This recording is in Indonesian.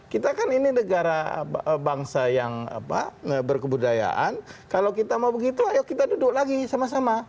kita kan ini negara bangsa yang berkebudayaan kalau kita mau begitu ayo kita duduk lagi sama sama